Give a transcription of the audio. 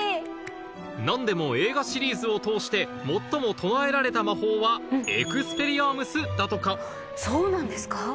何でも映画シリーズを通して最も唱えられた魔法は「エクスペリアームス」だとかそうなんですか。